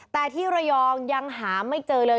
แต่ที่ระยองยังหาไม่เจอเลย